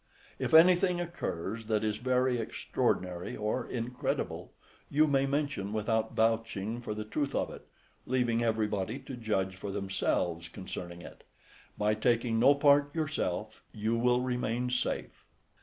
If anything occurs that is very extraordinary or incredible, you may mention without vouching for the truth of it, leaving everybody to judge for themselves concerning it: by taking no part yourself, you will remain safe.